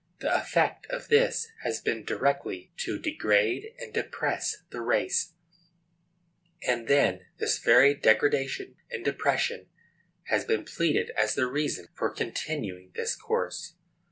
The effect of this has been directly to degrade and depress the race, and then this very degradation and depression has been pleaded as the reason for continuing this course.